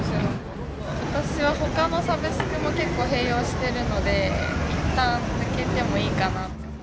私はほかのサブスクも結構併用してるので、いったん抜けてもいいかなって思います。